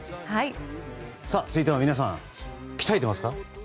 続いては、皆さん鍛えてますか？